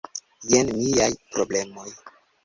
Jen miaj problemoj: